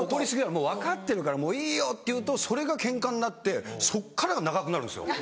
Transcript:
「もう分かってるからもういいよ」って言うとそれがケンカになってそっからが長くなるんですよ。